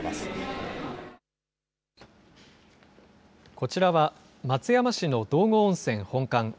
こちらは松山市の道後温泉本館。